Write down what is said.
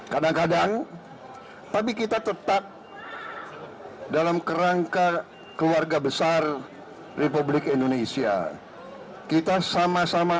kadang kadang tapi kita tetap dalam kerangka keluarga besar republik indonesia kita sama sama